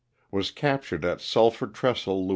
Was captured at Sulphur Trestle, La.